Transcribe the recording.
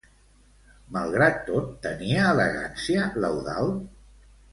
Malgrat tot, tenia elegància l'Eudald?